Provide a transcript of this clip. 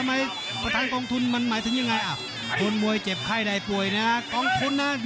นี่โค้งประธานเอกบังชัย